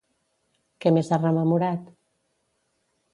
Què més ha rememorat?